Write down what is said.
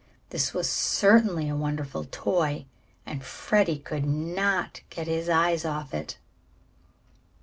This was certainly a wonderful toy, and Freddie could not get his eyes off of it.